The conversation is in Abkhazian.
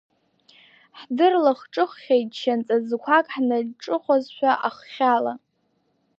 Ҳдырлахҿыххьеит шьанҵа ӡқәак, ҳнаҿыхәазшәа аххьала.